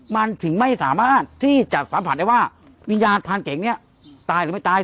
มันถึงไม่สามารถที่จะสัมผัสได้ว่าวิญญาณพานเก่งเนี่ยตายหรือไม่ตาย